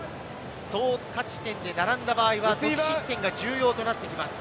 総勝ち点で並んだ場合は得失点が重要となってきます。